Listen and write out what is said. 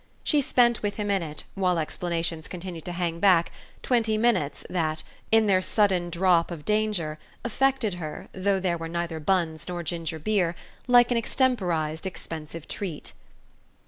She spent with him in it, while explanations continued to hang back, twenty minutes that, in their sudden drop of danger, affected her, though there were neither buns nor ginger beer, like an extemporised expensive treat.